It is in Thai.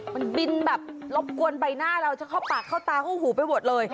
มันบินแบบรบกวนใบหน้าเราจะเข้าปากเข้าตาเข้าหูไปหมดเลย